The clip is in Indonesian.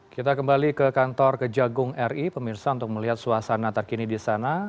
kita kembali ke kantor kejagung ri pemirsa untuk melihat suasana terkini di sana